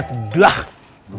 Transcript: lo mah jadi orang kagak sabaran amat